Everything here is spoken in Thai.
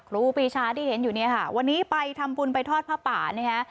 ครูปีชาที่เห็นอยู่เนี่ยค่ะวันนี้ไปทำบุญไปทอดผ้าป่านะฮะ